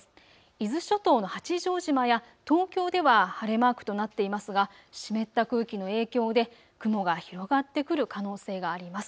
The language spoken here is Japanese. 伊豆諸島の八丈島や東京では晴れマークとなっていますが湿った空気の影響で雲が広がってくる可能性があります。